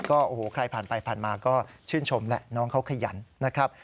โอ้โหใครผ่านไปผ่านมาก็ชื่นชมแหละน้องเขาขยันนะครับ